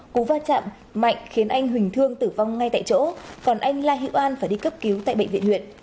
cú va chạm mạnh khiến anh huỳnh thương tử vong ngay tại chỗ còn anh la hiễu an phải đi cấp cứu tại bệnh viện huyện